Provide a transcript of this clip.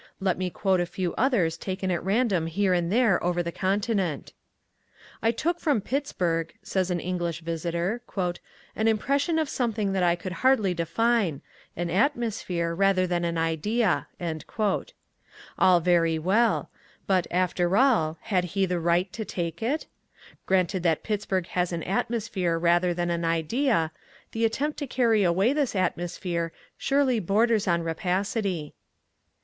Let me quote a few others taken at random here and there over the continent. "I took from Pittsburg," says an English visitor, "an impression of something that I could hardly define an atmosphere rather than an idea." All very well, But, after all, had he the right to take it? Granted that Pittsburg has an atmosphere rather than an idea, the attempt to carry away this atmosphere surely borders on rapacity.